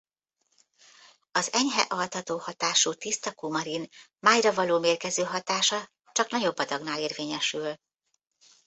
Az enyhe altató hatású tiszta kumarin májra való mérgező hatása csak nagyobb adagnál érvényesül.